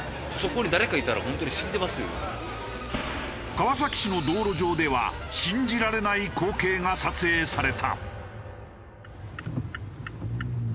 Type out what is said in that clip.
川崎市の道路上では信じられない光景が撮影された。